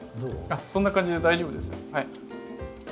そんな感じで大丈夫です。